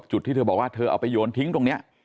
ที่เธอบอกว่าเธอเอาไปโยนทิ้งตรงนี้